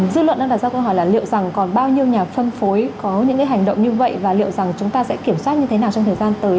dư luận đang đặt ra câu hỏi là liệu rằng còn bao nhiêu nhà phân phối có những hành động như vậy và liệu rằng chúng ta sẽ kiểm soát như thế nào trong thời gian tới